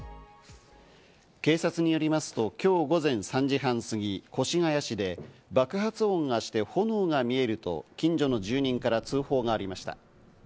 警察によりますと、今日午前３時半過ぎ、越谷市で爆発音がして炎が見えると、近所の住人から通報がありました。